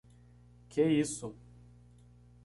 Que isso!